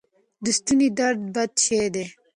د ستوني درد بد شی دی.